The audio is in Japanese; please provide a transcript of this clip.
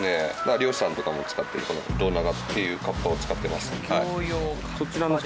漁師さんとかも使ってるこの胴長っていうカッパを使ってます。